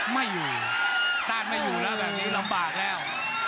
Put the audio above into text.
ไม่อยู่ต้านไม่อยู่แล้วแบบนี้ลำบากแล้ว